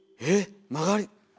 えっ曲がり。